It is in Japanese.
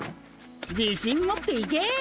自信持っていけ！